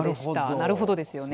なるほどですよね。。